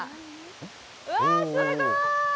うわっ、すごーい。